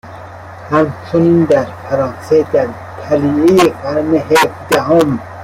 همچنین در فرانسه در طلیعه قرن هفدهم